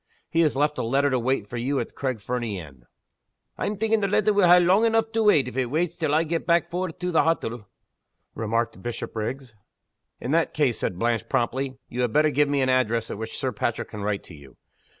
He has left a letter to wait for you at the Craig Fernie inn." "I'm thinking the letter will ha' lang eneugh to wait, if it waits till I gae back for it to the hottle," remarked Bishopriggs. "In that case," said Blanche, promptly, "you had better give me an address at which Sir Patrick can write to you.